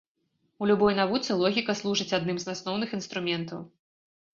У любой навуцы логіка служыць адным з асноўных інструментаў.